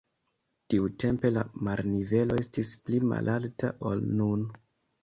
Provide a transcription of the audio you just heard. Tiutempe la marnivelo estis pli malalta ol nun.